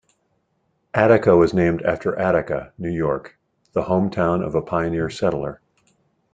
Attica was named after Attica, New York, the hometown of a pioneer settler.